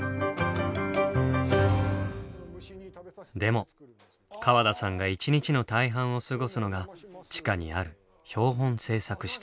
でも川田さんが一日の大半を過ごすのが地下にある標本制作室。